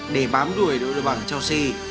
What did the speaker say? để bám đuổi đội đội bảng chelsea